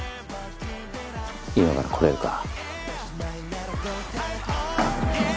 今から来れるか？